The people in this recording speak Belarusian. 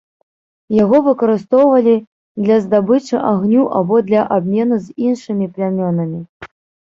Яго выкарыстоўвалі для здабычы агню або для абмену з іншымі плямёнамі.